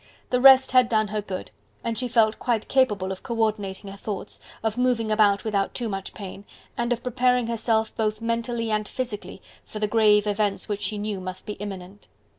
The rest had done her good, and she felt quite capable of co ordinating her thoughts, of moving about without too much pain, and of preparing herself both mentally and physically for the grave events which she knew must be imminent.